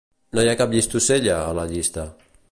No hi ha cap Llistosella, a la llista.